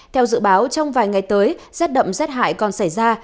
theo dự báo trong vài ngày tới rét đậm rét hại còn xảy ra